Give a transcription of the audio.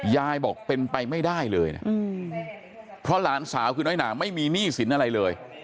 ยายบอกเป็นไปไม่ได้เลยนะเพราะหลานสาวคือน้อยหนาไม่มีหนี้สินอะไรเลย